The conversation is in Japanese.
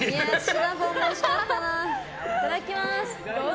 いただきます！